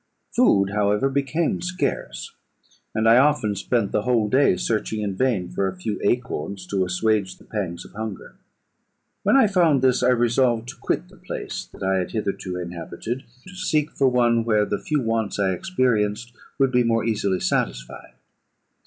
"Food, however, became scarce; and I often spent the whole day searching in vain for a few acorns to assuage the pangs of hunger. When I found this, I resolved to quit the place that I had hitherto inhabited, to seek for one where the few wants I experienced would be more easily satisfied.